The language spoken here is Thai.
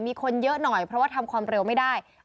มีคนเยอะหน่อยเพราะว่าทำความเร็วไม่ได้